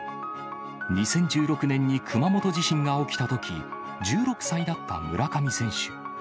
２０１６年に熊本地震が起きたとき、１６歳だった村上選手。